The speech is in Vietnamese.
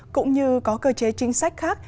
cũng như có cơ chế chính sách khác